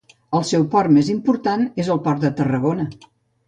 El seu port més important és el port de Tarragona.